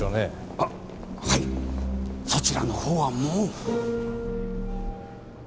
あっはいそちらのほうはもう。